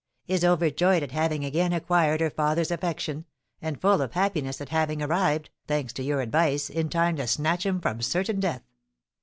"Is overjoyed at having again acquired her father's affection; and full of happiness at having arrived, thanks to your advice, in time to snatch him from certain death."